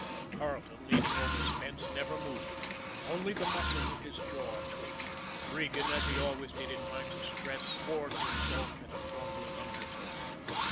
Carleton, leaning over Spence, never moved, only the muscles of his jaw twitched; Regan, as he always did in times of stress, swore to himself in a grumbling undertone.